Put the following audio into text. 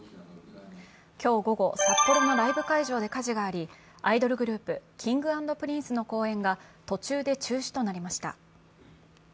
今日午後、サッポロのライブ会場で火事があり、アイドルグループ・Ｋｉｎｇ＆Ｐｒｉｎｃｅの公演が途中で中止となりました。